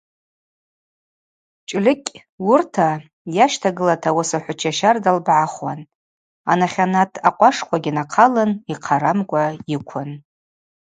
Чӏльыкӏь уырта йащтагыла уаса хӏвыча щарда лбгӏахуан, анахьанат акъвашквагьи нахъалын йхъарамкӏва йыквын.